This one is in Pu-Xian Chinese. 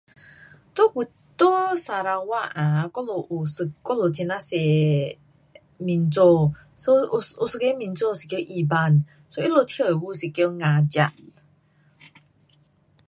在古，在砂朥越 um 我们有一，我们很呐多 um 民族，so 有一个民族是叫 Iban. So 他们跳的舞是叫 ngajak.